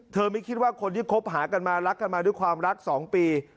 ไม่คิดว่าคนที่คบหากันมารักกันมาด้วยความรัก๒ปี